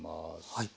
はい。